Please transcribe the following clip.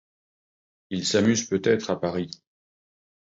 Ils s'amusent peut-être à Paris.